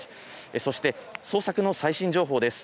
そして捜索の最新情報です。